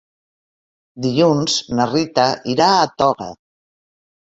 Dilluns na Rita irà a Toga.